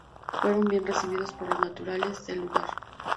Fueron bien recibidos por los naturales del lugar.